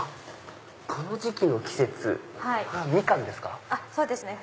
この時期の季節ミカンですか？